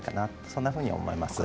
そんなふうに思います。